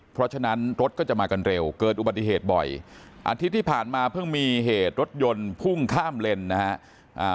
เพราะฉะนั้นรถก็จะมากันเร็วเกิดอุบัติเหตุบ่อยอาทิตย์ที่ผ่านมาเพิ่งมีเหตุรถยนต์พุ่งข้ามเลนนะฮะ